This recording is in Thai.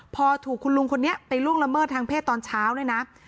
พอถูกคุณลุงคนนี้ไปล่วงละเมิดทางเพศตอนเช้าเนี่ยนะ